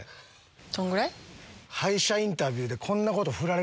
どんぐらい？